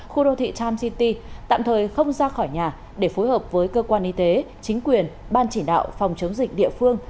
khu đô thị time city tạm thời không ra khỏi nhà để phối hợp với cơ quan y tế chính quyền ban chỉ đạo phòng chống dịch địa phương